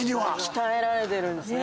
鍛えられてるんですね。